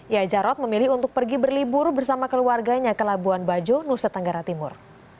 ya jarod memilih untuk pergi berlibur bersama keluarganya ke labuan bajo nusa tenggara timur